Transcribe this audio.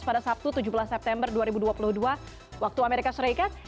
pada sabtu tujuh belas september dua ribu dua puluh dua waktu amerika serikat